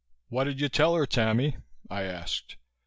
"What did you tell her, Tammy?" I asked.